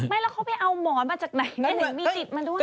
ไม่แล้วเขาไปเอาหมอนมาจากไหนมีติดมาด้วย